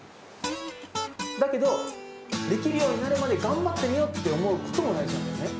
だけど、できるようになるまで頑張ってみようって思うことも大事なんだよね。